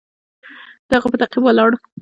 د هغه په تعقیب ولاړ.